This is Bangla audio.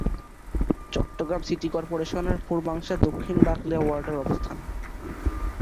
চট্টগ্রাম সিটি কর্পোরেশনের পূর্বাংশে দক্ষিণ বাকলিয়া ওয়ার্ডের অবস্থান।